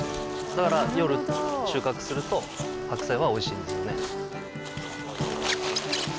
だから夜収穫すると白菜は美味しいんですよね。